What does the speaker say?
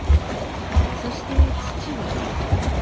そして父は。